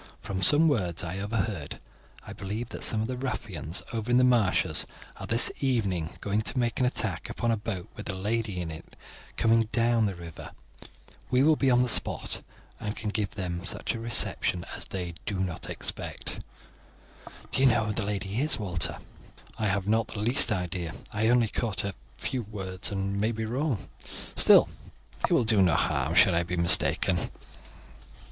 "From some words I overheard I believe that some of the ruffians over in the marshes are this evening going to make an attack upon a boat with a lady in it coming down the river. We will be on the spot, and can give them a reception such as they do not expect." "Do you know who the lady is, Walter?" "I have not the least idea. I only caught a few words, and may be wrong; still, it will do no harm should I be mistaken."